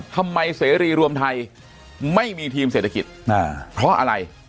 เสรีรวมไทยไม่มีทีมเศรษฐกิจเพราะอะไร